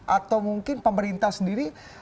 atau mungkin pemerintah sendiri